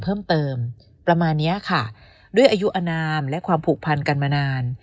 เพิ่มเติมประมาณเนี้ยค่ะด้วยอายุอนามและความผูกพันกันมานาน